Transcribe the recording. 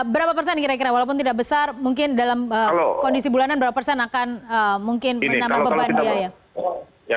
berapa persen kira kira walaupun tidak besar mungkin dalam kondisi bulanan berapa persen akan mungkin menambah beban biaya